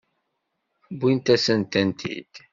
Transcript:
Wwint-asent-tent-id.